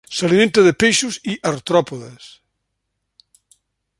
S'alimenta de peixos i artròpodes.